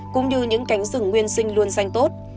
cũng như những cánh rừng nguyên sinh luôn xanh tốt